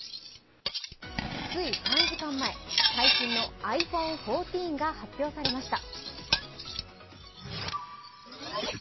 つい３時間前、最新のｉＰｈｏｎｅ１４が発表されました。